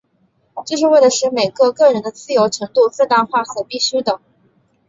这是为了使每个个人的自由程度最大化所必需的。